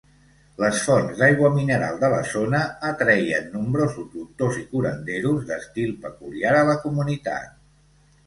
Les fonts d'aigua mineral de la zona atreien nombrosos doctors i curanderos d'estil peculiar a la comunitat.